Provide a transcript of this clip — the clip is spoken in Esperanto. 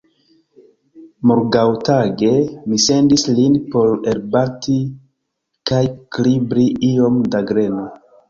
Morgaŭtage mi sendis lin por elbati kaj kribri iom da greno.